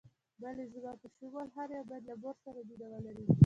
بلې، زما په شمول هر یو باید له مور سره مینه ولري.